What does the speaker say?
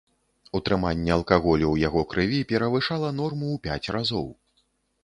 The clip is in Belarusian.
Утрыманне алкаголю ў яго крыві перавышала норму ў пяць разоў.